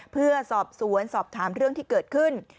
เพื่อสอบสวนสอบถามเรื่องที่เกิดขึ้น